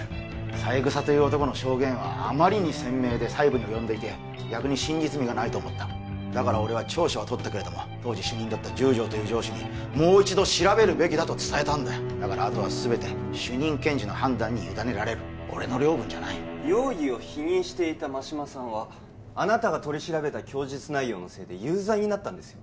三枝の証言はあまりに鮮明で細部に及んでいて逆に真実味がないと思っただから俺は調書は取ったけれども当時主任だった十条という上司にもう一度調べるべきだと伝えたあとはすべて主任検事の判断に委ねられる俺の領分じゃない容疑を否認していた真島さんはあなたが取り調べた供述内容のせいで有罪になったんですよ